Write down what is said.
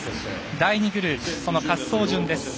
第２グループ、滑走順です。